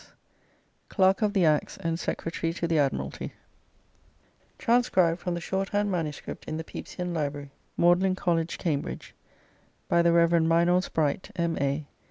S. CLERK OF THE ACTS AND SECRETARY TO THE ADMIRALTY TRANSCRIBED FROM THE SHORTHAND MANUSCRIPT IN THE PEPYSIAN LIBRARY MAGDALENE COLLEGE CAMBRIDGE BY THE REV. MYNORS BRIGHT M.A.